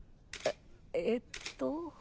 えっと。